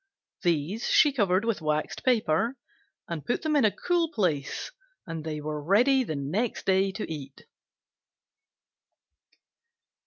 These she covered with waxed paper and put in a cool place and they were ready the next day to eat.